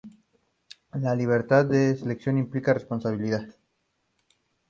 La libertad de elección implica responsabilidad.